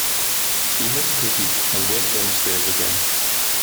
He hesitated and went downstairs again.